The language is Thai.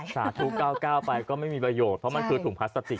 สาธุ๙๙ไปก็ไม่มีประโยชน์เพราะมันคือถุงพลาสติก